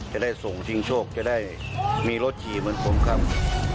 จะได้ส่งชิงโชคจะได้มีรถฉี่เหมือนผมครับ